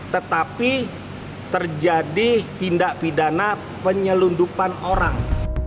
tetapi terjadi tindak pidana penyelundupan orang